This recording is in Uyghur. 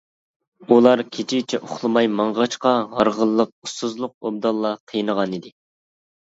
ئۇلار كېچىچە ئۇخلىماي ماڭغاچقا، ھارغىنلىق، ئۇسسۇزلۇق ئوبدانلا قىينىغانىدى.